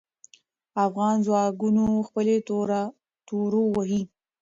افغان ځواکونه خپلې تورو وهې.